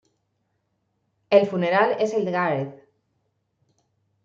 El funeral es el de Gareth.